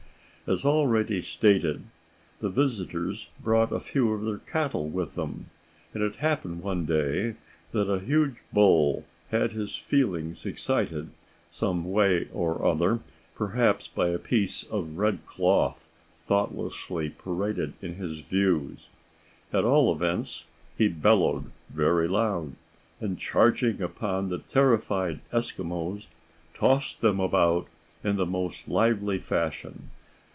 As already stated, the visitors brought a few of their cattle with them, and it happened one day that a huge bull had his feelings excited some way or other, perhaps by a piece of red cloth thoughtlessly paraded in his view; at all events he bellowed very loud, and charging upon the terrified Eskimos, tossed them about in the most lively fashion.